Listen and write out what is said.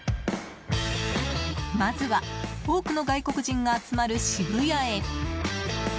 まずは多くの外国人が集まる渋谷へ。